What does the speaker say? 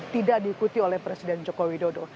tidak diikuti oleh presiden jokowi dodo